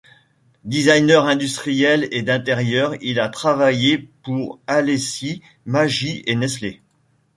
Designer industriel et d’intérieur, il a travaillé pour Alessi, Magis et Nestlé.